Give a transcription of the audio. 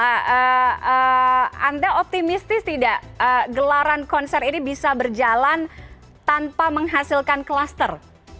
anda optimistis tidak gelaran konser ini bisa berjalan tanpa menghasilkan klaster